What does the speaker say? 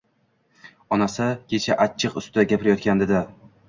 Onasi kecha achchiq ustida gapirayotgandi-da